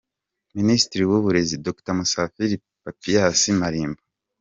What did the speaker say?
Minisitiri w'Uburezi, Dr Musafiri Papias Malimba.